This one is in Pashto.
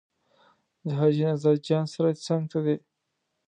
د حاجي نظر جان سرای څنګ ته دی.